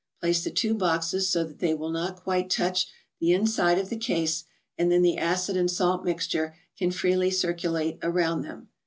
Place the two boxes so that they will not quite touch the inside of the case, and then the acid and salt mixture can freely circulate around them.